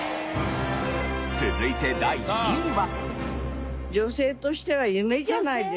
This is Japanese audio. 続いて第２位は。